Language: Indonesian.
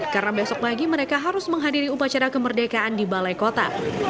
karena besok pagi mereka harus menghadiri upacara kemerdekaan di balai kota